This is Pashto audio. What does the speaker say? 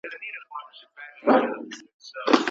تر څو دواړه اړخونه تر متوجه کېدو وروسته خپل تصميم بدل کړي.